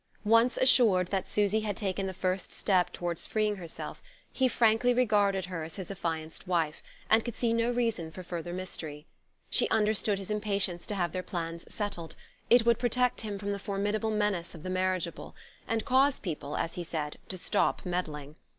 Once assured that Susy had taken the first step toward freeing herself, he frankly regarded her as his affianced wife, and could see no reason for further mystery. She understood his impatience to have their plans settled; it would protect him from the formidable menace of the marriageable, and cause people, as he said, to stop meddling.